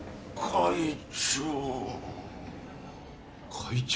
会長？